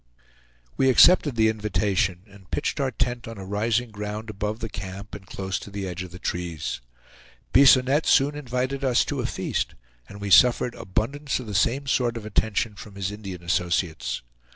We accepted the invitation, and pitched our tent on a rising ground above the camp and close to the edge of the trees. Bisonette soon invited us to a feast, and we suffered abundance of the same sort of attention from his Indian associates.